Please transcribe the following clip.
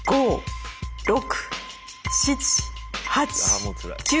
いやもうつらい。